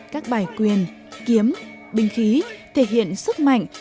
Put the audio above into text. các bài quyền kiếm binh khí thể hiện sức mạnh